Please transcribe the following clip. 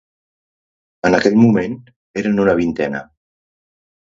En aquell moment eren una vintena.